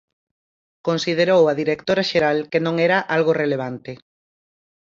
Considerou a directora xeral que non era algo relevante.